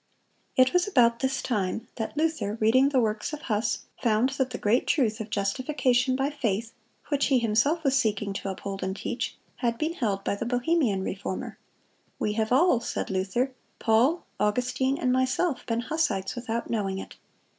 It was about this time that Luther, reading the works of Huss, found that the great truth of justification by faith, which he himself was seeking to uphold and teach, had been held by the Bohemian Reformer. "We have all," said Luther, "Paul, Augustine, and myself, been Hussites without knowing it!"